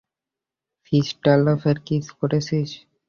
স্টিফলারকে kiss করেছিস?